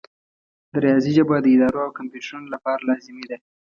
د ریاضي ژبه د ادارو او کمپیوټرونو لپاره لازمي ده.